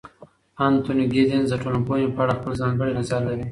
انتوني ګیدنز د ټولنپوهنې په اړه خپل ځانګړی نظر لري.